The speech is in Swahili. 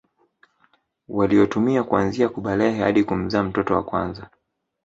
waliotumia kuanzia kubalehe hadi kumzaa mtoto wa kwanza